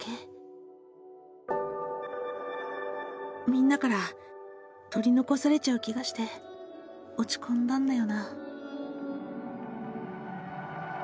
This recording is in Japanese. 「みんなから取りのこされちゃう気がして落ち込んだんだよなぁ」。